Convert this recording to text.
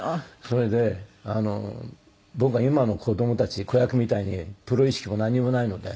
それで僕は今の子供たち子役みたいにプロ意識も何もないので。